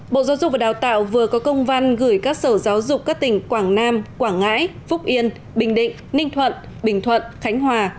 bộ giáo dục và đào tạo vừa có công văn gửi các sở giáo dục các tỉnh quảng nam quảng ngãi phúc yên bình định ninh thuận bình thuận khánh hòa